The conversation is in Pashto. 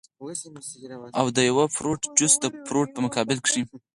او د يو فروټ جوس د فروټ پۀ مقابله کښې